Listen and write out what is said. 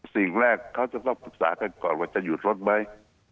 สิ่งแรกเขาจะต้องปรึกษากันก่อนว่าจะหยุดรถไหม